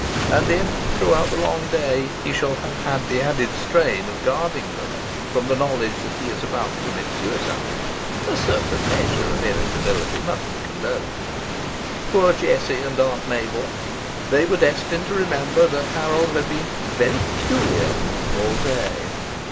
And if throughout the long day he shall have had the added strain of guarding them from the knowledge that he is about to commit suicide, a certain measure of irritability must be condoned. Poor Jessie and Aunt Mabel! They were destined to remember that Harold had been "very peculiar" all day.